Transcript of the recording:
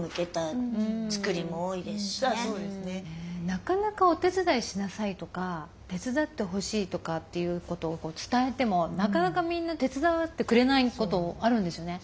なかなかお手伝いしなさいとか手伝ってほしいとかっていうことを伝えてもなかなかみんな手伝ってくれないことあるんですよね。